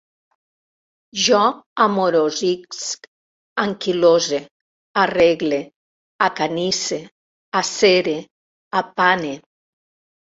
Jo amorosisc, anquilose, arregle, acanisse, acere, apane